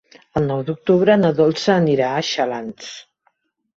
El nou d'octubre na Dolça anirà a Xalans.